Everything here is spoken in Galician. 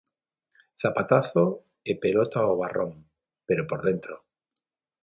Zapatazo e pelota ao barrón, pero por dentro.